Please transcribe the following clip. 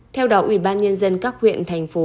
theo đạo ubnd các huyện thành phố